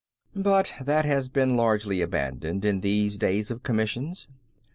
But that has been largely abandoned in these days of commissions.